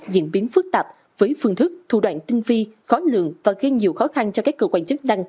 diễn biến phức tạp với phương thức thủ đoạn tinh vi khó lượng và gây nhiều khó khăn cho các cơ quan chức năng